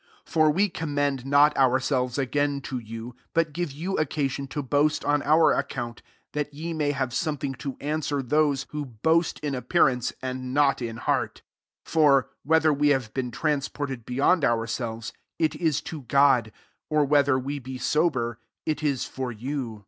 12 [^For] we commend not ourselves again to l^ou, but give yjo\x occasion to x>ast on our account; that ye anay have something to answer iiose, who boast in appearance, md not in heart. 13 For^ whe her we have been transported )eyond ourselves, it is to God : )r whether we be sober, it is or you.